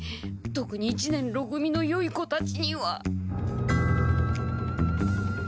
とくに一年ろ組のよい子たちには。